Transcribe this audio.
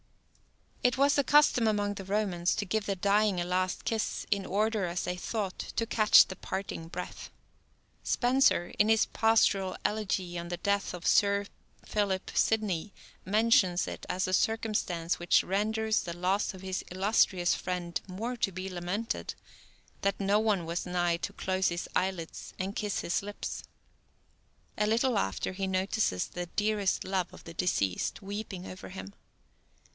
It was the custom among the Romans to give the dying a last kiss, in order, as they thought, to catch the parting breath. Spenser, in his pastoral elegy on the death of Sir Philip Sidney, mentions it as a circumstance which renders the loss of his illustrious friend more to be lamented, that no one was nigh to close his eyelids "and kiss his lips." A little after he notices the "dearest love" of the deceased weeping over him.